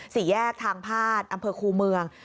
สี่แยกทางพาดอำเภอคูเมือง